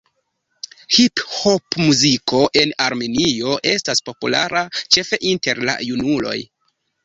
Hiphopomuziko en Armenio estas populara ĉefe inter la junuloj.